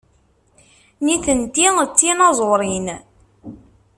Nitenti d tinaẓurin.